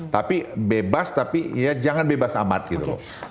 tapi bebas tapi ya jangan bebas amat gitu loh